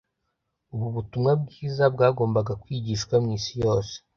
Ubu butumwa bwiza bwagombaga kwigishwa mu isi yose.